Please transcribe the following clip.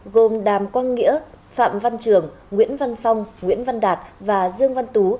gồm đàm quang nghĩa phạm văn trường nguyễn văn phong nguyễn văn đạt và dương văn tú